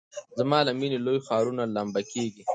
زما له میني لوی ښارونه لمبه کیږي